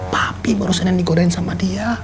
papi barusan yang digodain sama dia